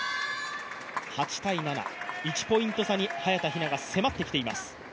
８−７、１ポイント差に早田ひなが迫ってきています。